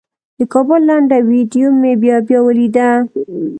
د کابل لنډه ویډیو مې بیا بیا ولیده.